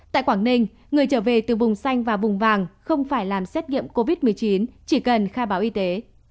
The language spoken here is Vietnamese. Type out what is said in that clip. tại quảng ninh người trở về từ vùng xanh và vùng vàng không phải làm xét nghiệm covid một mươi chín chỉ cần khai báo y tế